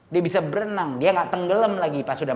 dia gak tenggelam lagi pas sudah